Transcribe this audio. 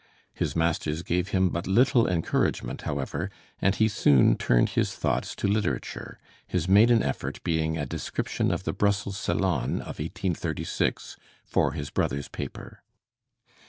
His masters gave him but little encouragement, however, and he soon turned his thoughts to literature, his maiden effort being a description of the Brussels Salon of 1836 for his brother's paper.